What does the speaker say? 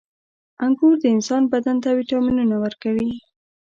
• انګور د انسان بدن ته ویټامینونه ورکوي.